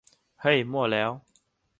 เฮ้ยมั่วแล้ว